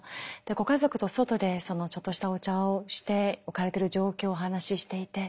ご家族と外でちょっとしたお茶をして置かれてる状況をお話ししていて。